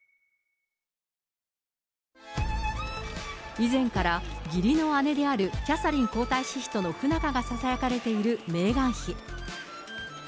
以前から義理の姉である、キャサリン皇太子妃との不仲がささやかれているメーガン妃。